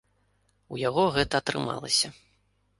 У яго гэта атрымалася.